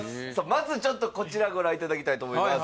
まずちょっとこちらご覧いただきたいと思います